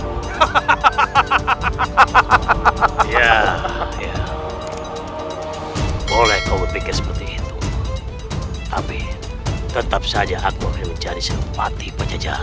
hahaha ya boleh kau pikir seperti itu tapi tetap saja aku akan menjadi senopati penjajaran